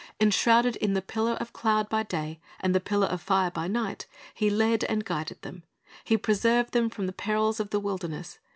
Enshrouded in the pillar of cloud by day and the pillar of fire by night. He led and guided them. He preserved them from the perils of the wilderness.